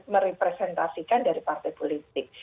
merepresentasikan dari partai politik